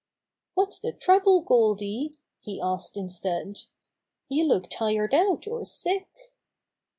"What's the trouble, Goldy?" he asked in stead. "You look tired out or sick."